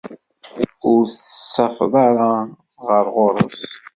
Ur tt-tettafeḍ ara ɣer ɣur-s.